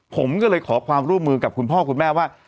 ผมก็เลยขอความร่วมมือกับคุณพ่อคุณแม่ว่า